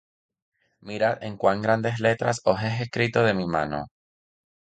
Mirad en cuán grandes letras os he escrito de mi mano.